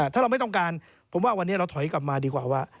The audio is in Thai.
ถ้าเราไม่ต้องการผมว่าวันนี้เราถอยกลับมาดีกว่าว่า